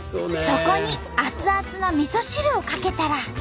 そこに熱々のみそ汁をかけたら。